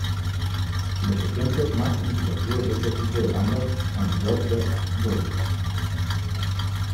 Los ejemplos más significativos de este tipo de bandas son Drop Dead, Gorgeous.